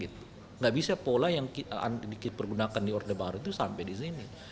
tidak bisa pola yang dipergunakan di orde baru itu sampai di sini